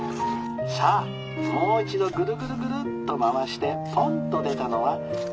「さあもう一度ぐるぐるぐるっと回してポンッと出たのは」。